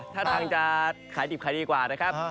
ถ้าทำมันจะขายจีบขายดีกว่าได้รึเปล่าครับ